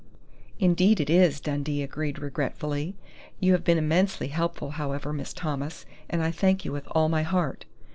"Indeed it is," Dundee agreed regretfully. "You have been immensely helpful, however, Miss Thomas, and I thank you with all my heart."